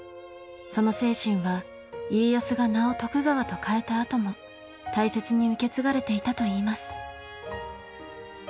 その精神は家康が名を徳川と変えたあとも大切に受け継がれていたといいます。